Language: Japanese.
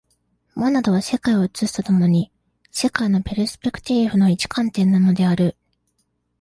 モナドは世界を映すと共に、世界のペルスペクティーフの一観点なのである。